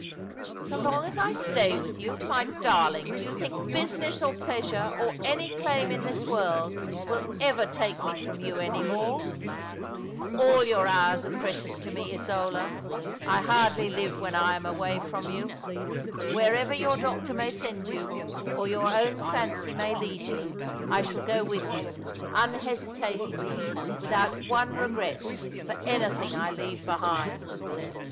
" So long as I stay with you ! My darling, do you think business or pleasure, or any claim in this world, will ever take me from you any more ? All your hours are precious to me, Isola. I hardly live when I am away from you. Wherever your doctor may send you, or your own fancy may lead you, I shall go with you, unhesitatingly — without one regret for anything I leave behind."